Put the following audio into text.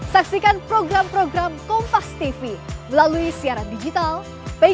dan katanya ada salam dari pak jokowi buat kusyimin itu gimana pak